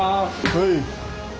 はい！